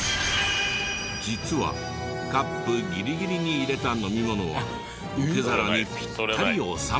実はカップぎりぎりに入れた飲み物は受け皿にピッタリ収まる。